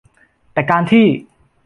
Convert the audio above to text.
แต่การที่